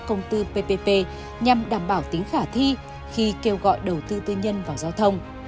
công tư ppp nhằm đảm bảo tính khả thi khi kêu gọi đầu tư tư nhân vào giao thông